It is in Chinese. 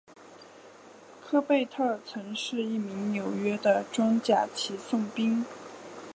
科贝特曾是一名纽约的装甲骑送兵。